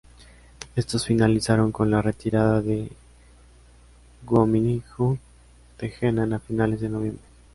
Estos finalizaron con la retirada del Guominjun de Henan a finales de noviembre.